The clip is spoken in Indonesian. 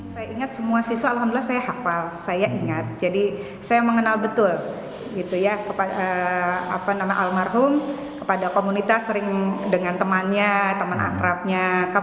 saya ingat semua siswa alhamdulillah saya hafal saya ingat jadi saya mengenal betul kepada almarhum kepada komunitas sering dengan temannya teman akrabnya